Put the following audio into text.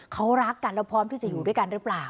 เขารักกันแล้วพร้อมที่จะอยู่ด้วยกันหรือเปล่า